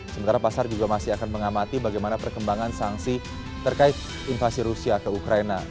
sementara pasar juga masih akan mengamati bagaimana perkembangan sanksi terkait invasi rusia ke ukraina